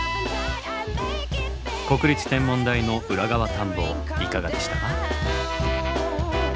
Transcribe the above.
国立天文台の裏側探訪いかがでしたか？